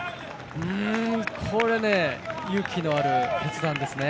これ勇気ある決断ですね。